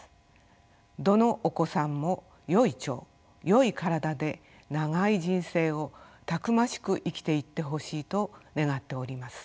どのお子さんもよい腸よい体で長い人生をたくましく生きていってほしいと願っております。